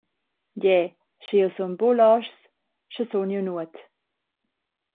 Gie, sche jeu sun buca loschs, sche sun jeu nuot.